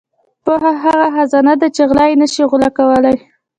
• پوهه هغه خزانه ده چې غله یې نشي غلا کولای.